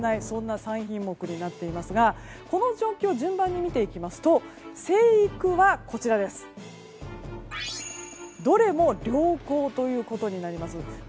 そんな３品目になっていますがこの状況を順番に見ていきますと生育はどれも良好ということになります。